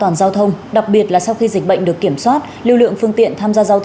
anh phải chấp hành